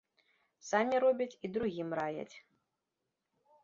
Самі робяць і другім раяць.